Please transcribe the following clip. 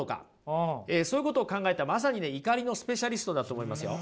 そういうことを考えたまさにね怒りのスペシャリストだと思いますよ。